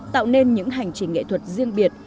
tạo nên những hành trình nghệ thuật riêng biệt